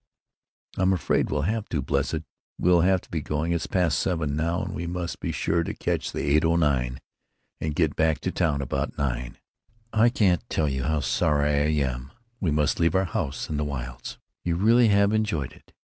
"I'm afraid we'll have to, blessed. We'll have to be going. It's past seven, now; and we must be sure to catch the 8.09 and get back to town about nine." "I can't tell you how sorry I am we must leave our house in the wilds." "You really have enjoyed it?"